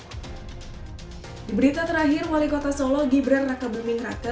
di berita terakhir wali kota solo gibran raka buming raka